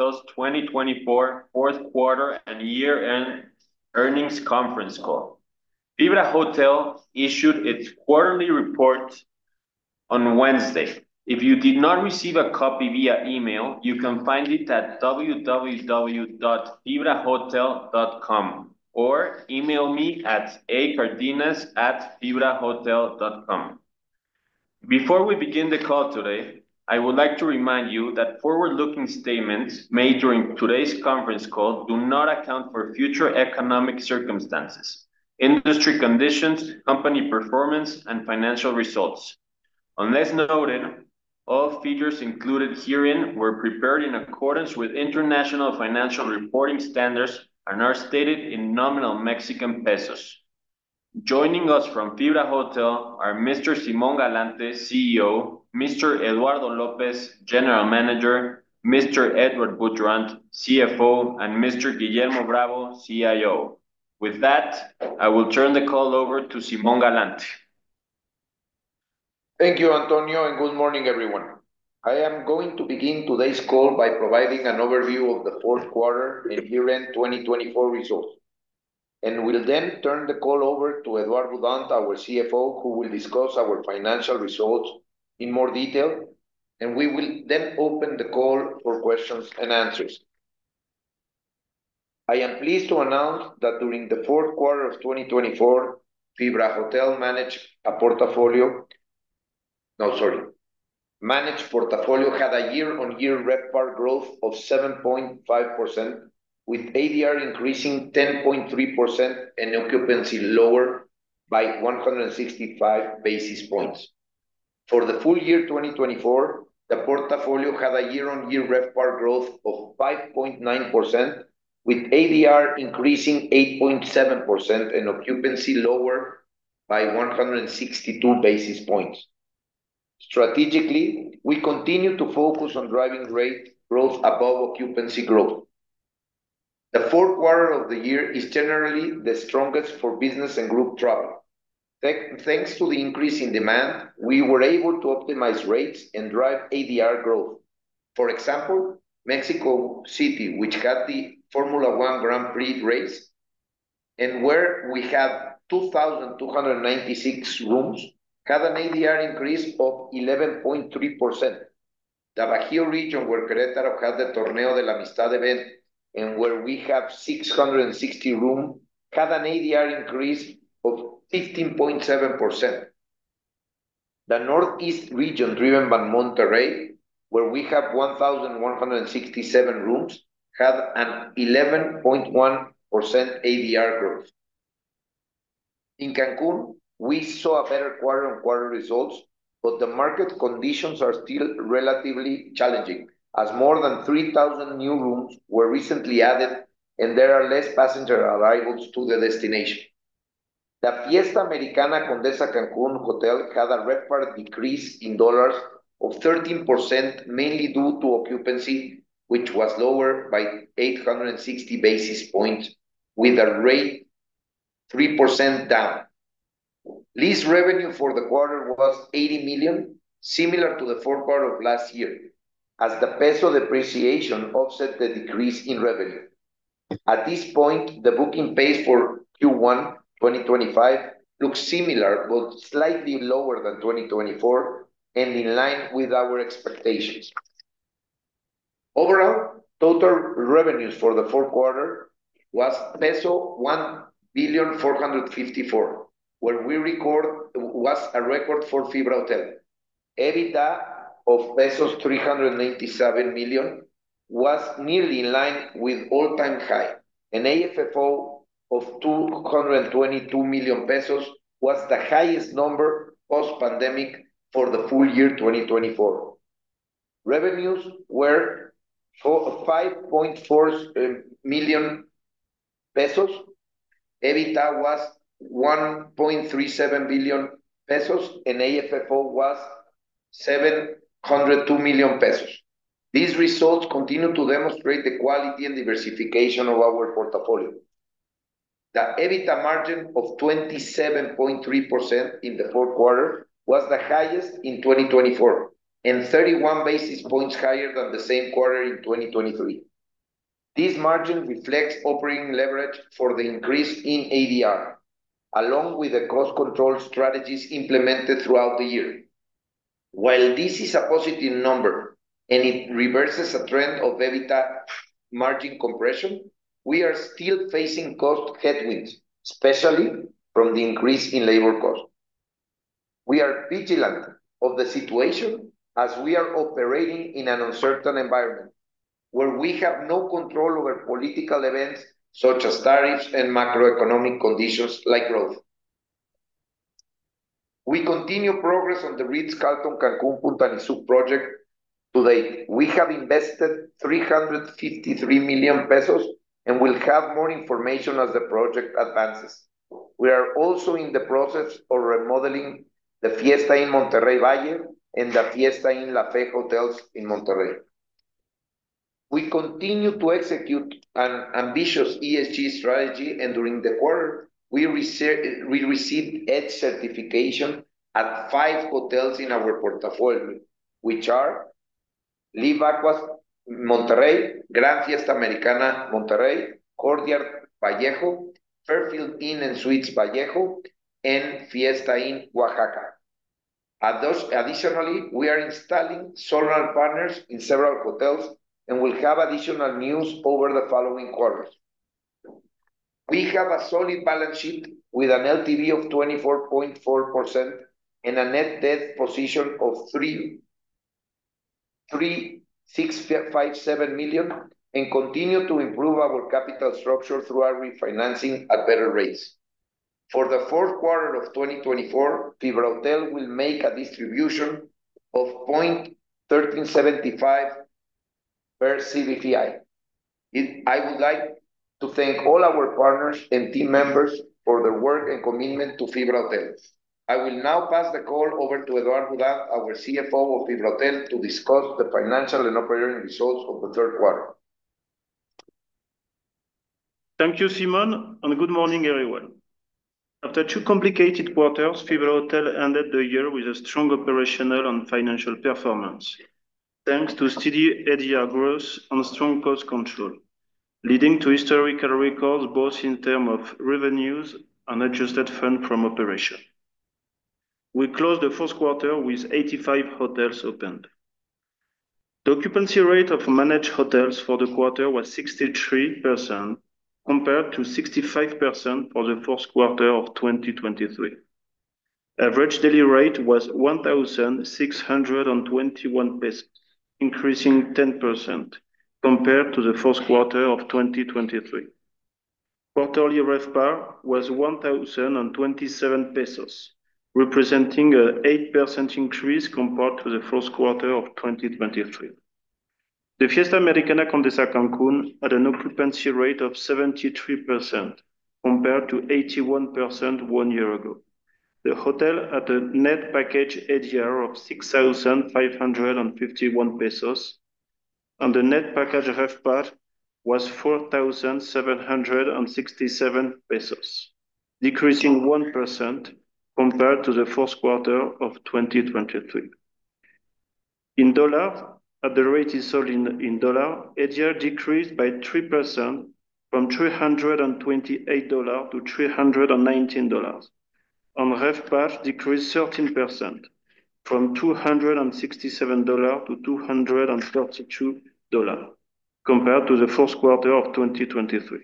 FibraHotel's 2024 fourth quarter and year-end earnings conference call. FibraHotel issued its quarterly report on Wednesday. If you did not receive a copy via email, you can find it at www.fibrahotel.com or email me at a.cardenas@fibrahotel.com. Before we begin the call today, I would like to remind you that forward-looking statements made during today's conference call do not account for future economic circumstances, industry conditions, company performance, and financial results. On this note, all figures included herein were prepared in accordance with international financial reporting standards and are stated in nominal Mexican pesos. Joining us from FibraHotel are Mr. Simón Galante, CEO; Mr. Eduardo López, General Manager; Mr. Edouard Boudrant, CFO; and Mr. Guillermo Bravo, CIO. With that, I will turn the call over to Simón Galante. Thank you, Antonio, and good morning, everyone. I am going to begin today's call by providing an overview of the fourth quarter and year-end 2024 results, and will then turn the call over to Edouard Boudrant, our CFO, who will discuss our financial results in more detail, and we will then open the call for questions and answers. I am pleased to announce that during the fourth quarter of 2024, FibraHotel managed portfolio had a year-on-year RevPAR growth of 7.5%, with ADR increasing 10.3% and occupancy lower by 165 basis points. For the full year 2024, the portfolio had a year-on-year RevPAR growth of 5.9%, with ADR increasing 8.7% and occupancy lower by 162 basis points. Strategically, we continue to focus on driving rate growth above occupancy growth. The fourth quarter of the year is generally the strongest for business and group travel. Thanks to the increase in demand, we were able to optimize rates and drive ADR growth. For example, Mexico City, which had the Formula 1 Grand Prix race, and where we had 2,296 rooms, had an ADR increase of 11.3%. The Bajío region, where Querétaro had the Torneo de la Amistad event and where we have 660 rooms, had an ADR increase of 15.7%. The Northeast region, driven by Monterrey, where we have 1,167 rooms, had an 11.1% ADR growth. In Cancún, we saw a better quarter-on-quarter results, but the market conditions are still relatively challenging, as more than 3,000 new rooms were recently added, and there are fewer passenger arrivals to the destination. The Fiesta Americana Condesa Cancún Hotel had a RevPAR decrease in dollars of 13%, mainly due to occupancy, which was lower by 860 basis points, with a rate 3% down. Lease revenue for the quarter was 80 million, similar to the fourth quarter of last year, as the peso depreciation offset the decrease in revenue. At this point, the booking pace for Q1 2025 looks similar but slightly lower than 2024, and in line with our expectations. Overall, total revenues for the fourth quarter was peso 1,454 million where we recorded a record for FibraHotel. EBITDA of pesos 397 million was nearly in line with all-time high. An AFFO of 222 million pesos was the highest number post-pandemic for the full year 2024. Revenues were 5.4 million pesos. EBITDA was 1.37 billion pesos, and AFFO was 702 million pesos. These results continue to demonstrate the quality and diversification of our portfolio. The EBITDA margin of 27.3% in the fourth quarter was the highest in 2024, and 31 basis points higher than the same quarter in 2023. This margin reflects operating leverage for the increase in ADR, along with the cost control strategies implemented throughout the year. While this is a positive number and it reverses a trend of EBITDA margin compression, we are still facing cost headwinds, especially from the increase in labor cost. We are vigilant of the situation as we are operating in an uncertain environment, where we have no control over political events such as tariffs and macroeconomic conditions like growth. We continue progress on the Ritz-Carlton Cancún, Punta Nizuc project to date. We have invested 353 million pesos and will have more information as the project advances. We are also in the process of remodeling the Fiesta Inn Monterrey Valle and the Fiesta Inn Monterrey La Fe. We continue to execute an ambitious ESG strategy, and during the quarter, we received EDGE certification at five hotels in our portfolio, which are Live Aqua Monterrey, Grand Fiesta Americana Monterrey, Courtyard Vallejo, Fairfield Inn & Suites Vallejo, and Fiesta Inn Oaxaca. Additionally, we are installing solar panels in several hotels and will have additional news over the following quarters. We have a solid balance sheet with an LTV of 24.4% and a net debt position of 3,657 million, and continue to improve our capital structure through our refinancing at better rates. For the fourth quarter of 2024, FibraHotel will make a distribution of 0.1375 per CBPI. I would like to thank all our partners and team members for their work and commitment to FibraHotel. I will now pass the call over to Edouard Boudrant, our CFO of FibraHotel, to discuss the financial and operating results of the third quarter. Thank you, Simón, and good morning, everyone. After two complicated quarters, FibraHotel ended the year with a strong operational and financial performance, thanks to steady ADR growth and strong cost control, leading to historical records both in terms of revenues and adjusted funds from operation. We closed the fourth quarter with 85 hotels opened. The occupancy rate of managed hotels for the quarter was 63%, compared to 65% for the fourth quarter of 2023. Average daily rate was 1,621 pesos, increasing 10% compared to the fourth quarter of 2023. Quarterly RevPAR was 1,027 pesos, representing an 8% increase compared to the fourth quarter of 2023. The Fiesta Americana Condesa Cancún had an occupancy rate of 73%, compared to 81% one year ago. The hotel had a net package ADR of 6,551 pesos, and the net package RevPAR was 4,767 pesos, decreasing 1% compared to the fourth quarter of 2023. In dollars, at the rate is sold in dollars, ADR decreased by 3% from $328 to $319, and RevPAR decreased 13% from $267 to $232, compared to the fourth quarter of 2023.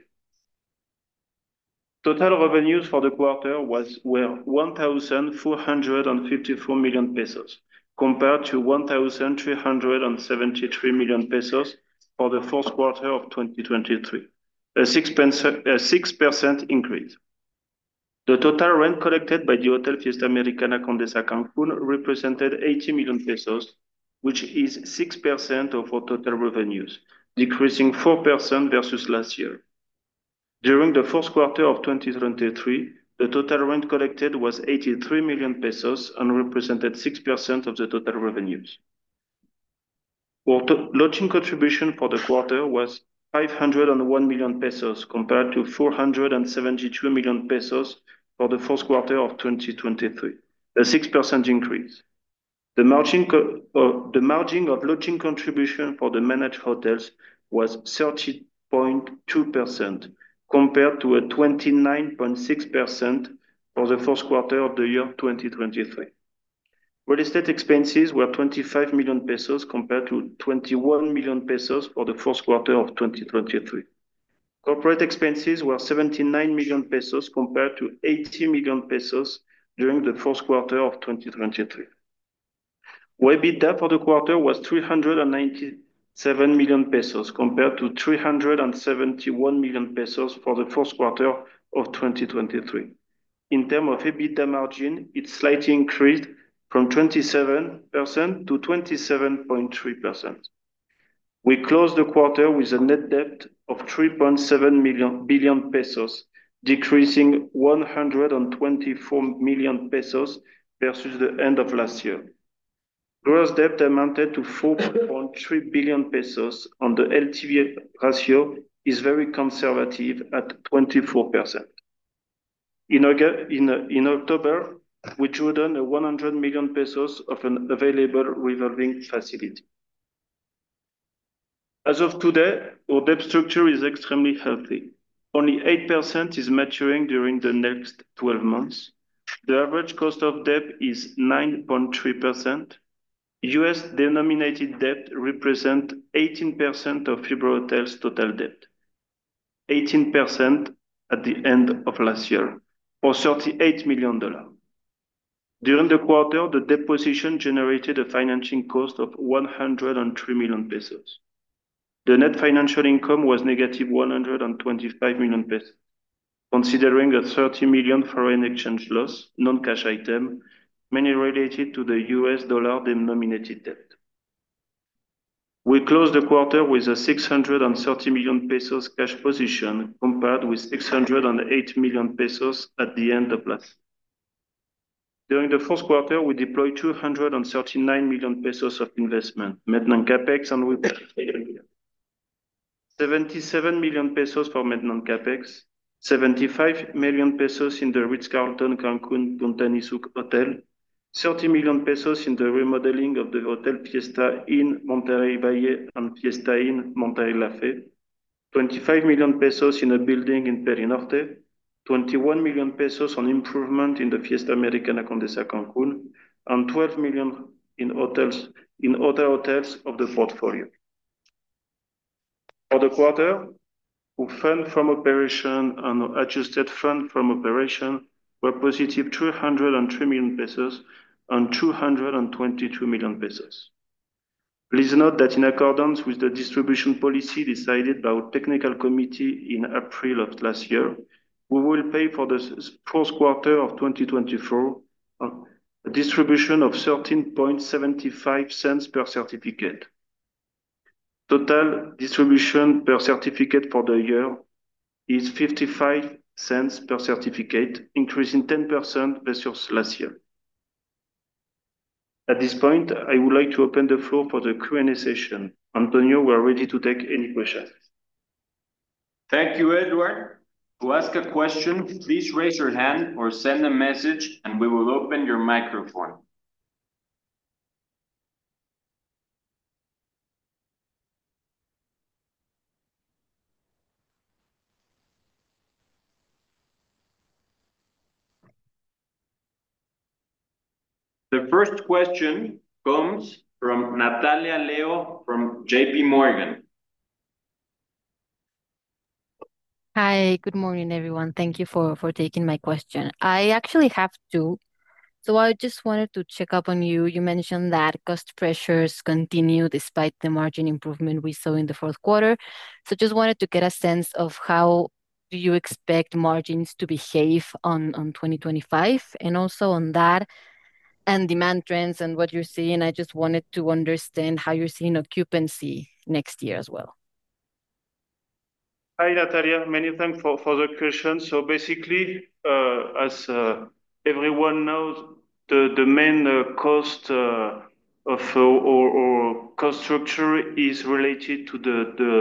Total revenues for the quarter were 1,454 million pesos, compared to 1,373 million pesos for the fourth quarter of 2023, a 6% increase. The total rent collected by the Hotel Fiesta Americana Condesa Cancún represented 80 million pesos, which is 6% of our total revenues, decreasing 4% versus last year. During the fourth quarter of 2023, the total rent collected was 83 million pesos and represented 6% of the total revenues. Lodging contribution for the quarter was 501 million pesos, compared to 472 million pesos for the fourth quarter of 2023, a 6% increase. The margin of lodging contribution for the managed hotels was 30.2%, compared to 29.6% for the fourth quarter of the year 2023. Real estate expenses were 25 million pesos, compared to 21 million pesos for the fourth quarter of 2023. Corporate expenses were 79 million pesos, compared to 80 million pesos during the fourth quarter of 2023. EBITDA for the quarter was 397 million pesos, compared to 371 million pesos for the fourth quarter of 2023. In terms of EBITDA margin, it slightly increased from 27% to 27.3%. We closed the quarter with a net debt of 3.7 billion pesos, decreasing 124 million pesos versus the end of last year. Gross debt amounted to 4.3 billion pesos, and the LTV ratio is very conservative at 24%. In October, we shortened 100 million pesos of an available revolving facility. As of today, our debt structure is extremely healthy. Only 8% is maturing during the next 12 months. The average cost of debt is 9.3%. U.S. denominated debt represents 18% of FibraHotel's total debt, 18% at the end of last year, or $38 million. During the quarter, the debt position generated a financing cost of 103 million pesos. The net financial income was -125 million pesos, considering a 30 million foreign exchange loss, non-cash item, mainly related to the U.S. dollar denominated debt. We closed the quarter with a 630 million pesos cash position, compared with 608 million pesos at the end of last year. During the fourth quarter, we deployed 239 million pesos of investment, Maintenance CapEx and expansion 77 million pesos for Maintenance CapEx, 75 million pesos in the Ritz-Carlton Cancún, Punta Nizuc Hotel, 30 million pesos in the remodeling of the Fiesta Inn Monterrey Valle and Fiesta Inn Monterrey La Fe, 25 million pesos in a building in Perinorte, 21 million pesos on improvement in the Fiesta Americana Condesa Cancún, and 12 million in other hotels of the portfolio. For the quarter, Funds From Operations and Adjusted Funds From Operations were +303 million pesos and 222 million pesos. Please note that in accordance with the distribution policy decided by our technical committee in April of last year, we will pay for the fourth quarter of 2024 a distribution of 0.1375 per certificate. Total distribution per certificate for the year is $0.55 per certificate, increasing 10% versus last year. At this point, I would like to open the floor for the Q&A session. Antonio, we are ready to take any questions. Thank you, Eduardo. To ask a question, please raise your hand or send a message, and we will open your microphone. The first question comes from Natalia Leo from JPMorgan. Hi, good morning, everyone. Thank you for taking my question. I actually have two. So I just wanted to check up on you. You mentioned that cost pressures continue despite the margin improvement we saw in the fourth quarter. So I just wanted to get a sense of how do you expect margins to behave on 2025, and also on that, and demand trends and what you're seeing. I just wanted to understand how you're seeing occupancy next year as well. Hi, Natalia. Many thanks for the question. So basically, as everyone knows, the main cost of our cost structure is related to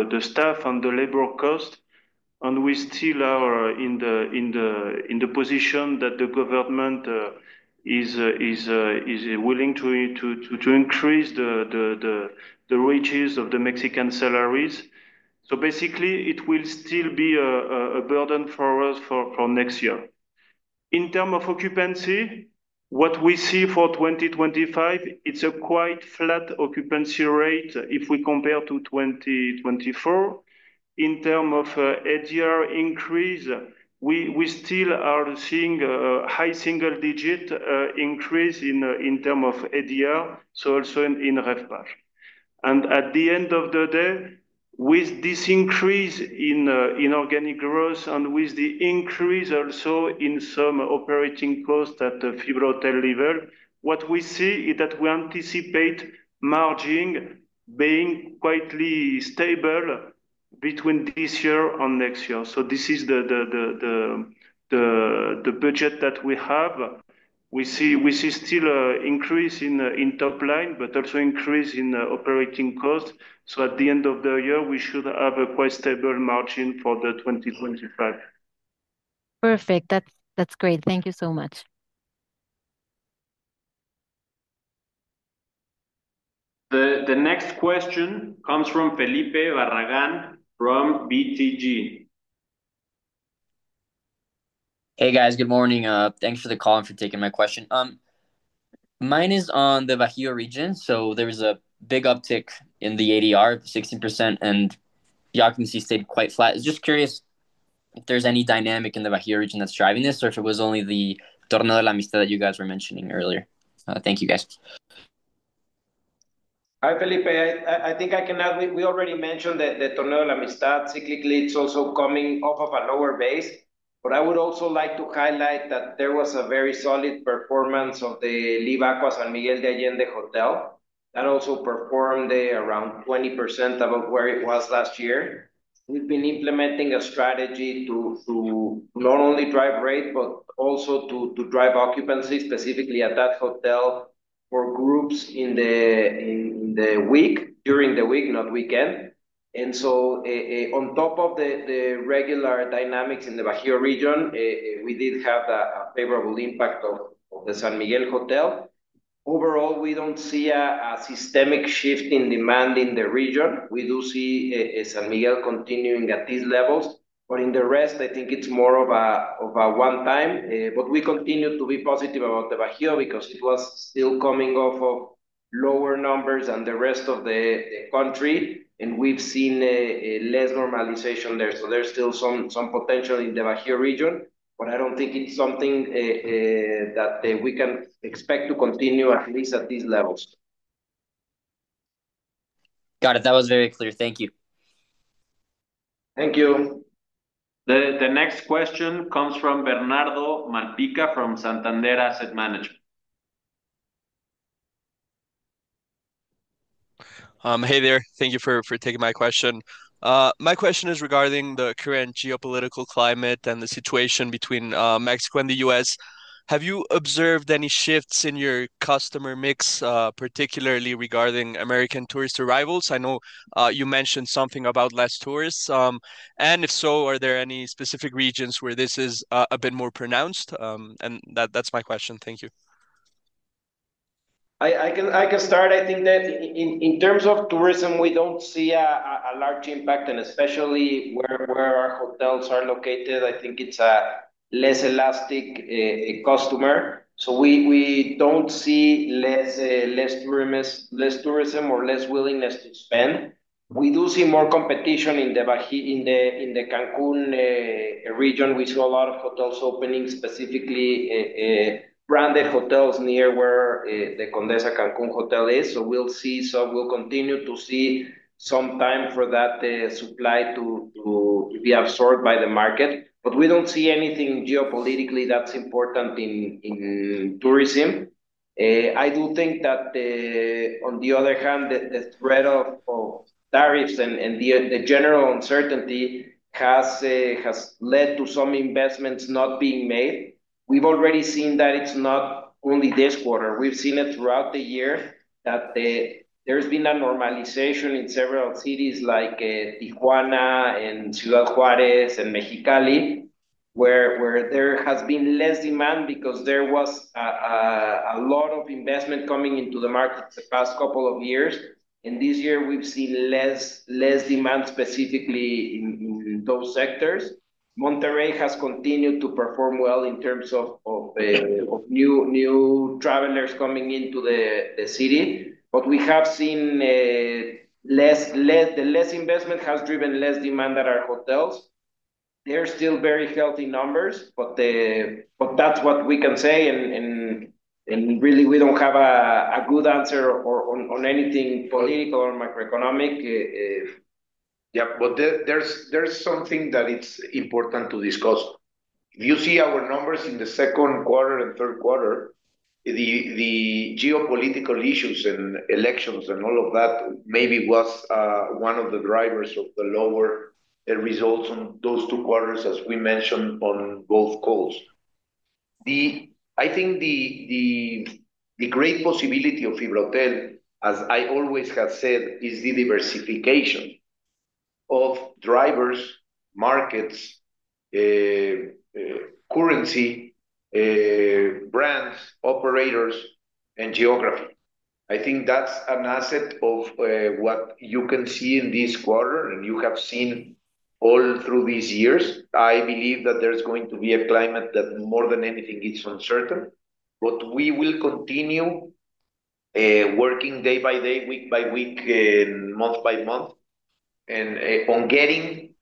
the staff and the labor cost. And we still are in the position that the government is willing to increase the wages of the Mexican salaries. So basically, it will still be a burden for us for next year. In terms of occupancy, what we see for 2025, it's a quite flat occupancy rate if we compare to 2024. In terms of ADR increase, we still are seeing a high single-digit increase in terms of ADR, so also in RevPAR. And at the end of the day, with this increase in organic growth and with the increase also in some operating costs at the FibraHotel level, what we see is that we anticipate margin being quietly stable between this year and next year. So this is the budget that we have. We see still an increase in top line, but also an increase in operating costs. So at the end of the year, we should have a quite stable margin for 2025. Perfect. That's great. Thank you so much. The next question comes from Felipe Barragán from BTG. Hey, guys. Good morning. Thanks for the call and for taking my question. Mine is on the Bajío region. So there was a big uptick in the ADR, 16%, and the occupancy stayed quite flat. I'm just curious if there's any dynamic in the Bajío region that's driving this, or if it was only the Torneo de la Amistad that you guys were mentioning earlier. Thank you, guys. Hi, Felipe. I think I can add. We already mentioned the Torneo de la Amistad. Cyclically, it's also coming off of a lower base, but I would also like to highlight that there was a very solid performance of the Live Aqua San Miguel de Allende Hotel. That also performed around 20% above where it was last year. We've been implementing a strategy to not only drive rate, but also to drive occupancy, specifically at that hotel, for groups in the week, during the week, not weekend. And so on top of the regular dynamics in the Bajío region, we did have a favorable impact of the San Miguel de Allende hotel. Overall, we don't see a systemic shift in demand in the region. We do see San Miguel de Allende continuing at these levels, but in the rest, I think it's more of a one-time. But we continue to be positive about the Bajío because it was still coming off of lower numbers than the rest of the country. And we've seen less normalization there. So there's still some potential in the Bajío region. But I don't think it's something that we can expect to continue, at least at these levels. Got it. That was very clear. Thank you. Thank you. The next question comes from Bernardo Malpica from Santander Asset Management. Hey, there. Thank you for taking my question. My question is regarding the current geopolitical climate and the situation between Mexico and the U.S. Have you observed any shifts in your customer mix, particularly regarding American tourist arrivals? I know you mentioned something about less tourists. And if so, are there any specific regions where this is a bit more pronounced? And that's my question. Thank you. I can start. I think that in terms of tourism, we don't see a large impact, and especially where our hotels are located. I think it's a less elastic customer. So we don't see less tourism or less willingness to spend. We do see more competition in the Cancún region. We saw a lot of hotels opening, specifically branded hotels near where the Condesa Cancún Hotel is. So we'll see. So we'll continue to see some time for that supply to be absorbed by the market. But we don't see anything geopolitically that's important in tourism. I do think that, on the other hand, the spread of tariffs and the general uncertainty has led to some investments not being made. We've already seen that it's not only this quarter. We've seen it throughout the year that there's been a normalization in several cities like Tijuana and Ciudad Juárez and Mexicali, where there has been less demand because there was a lot of investment coming into the market the past couple of years. And this year, we've seen less demand, specifically in those sectors. Monterrey has continued to perform well in terms of new travelers coming into the city. But we have seen the less investment has driven less demand at our hotels. They're still very healthy numbers, but that's what we can say. And really, we don't have a good answer on anything political or macroeconomic. Yeah, but there's something that it's important to discuss. You see our numbers in the second quarter and third quarter. The geopolitical issues and elections and all of that maybe was one of the drivers of the lower results on those two quarters, as we mentioned on both calls. I think the great possibility of FibraHotel, as I always have said, is the diversification of drivers, markets, currency, brands, operators, and geography. I think that's an asset of what you can see in this quarter, and you have seen all through these years. I believe that there's going to be a climate that, more than anything, is uncertain. But we will continue working day by day, week by week, and month by month, and on getting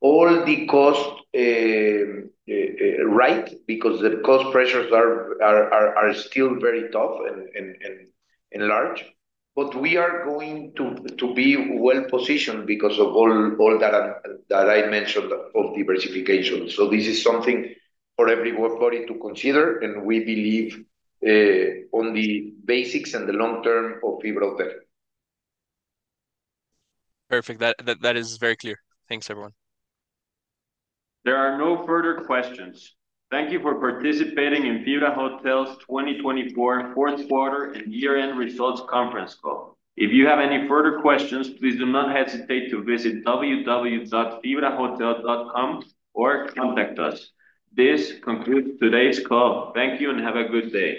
all the costs right because the cost pressures are still very tough and large. But we are going to be well-positioned because of all that I mentioned of diversification. So this is something for everybody to consider, and we believe on the basics and the long term of FibraHotel. Perfect. That is very clear. Thanks, everyone. There are no further questions. Thank you for participating in FibraHotel's 2024 fourth quarter and year-end results conference call. If you have any further questions, please do not hesitate to visit www.fibrahotel.com or contact us. This concludes today's call. Thank you and have a good day.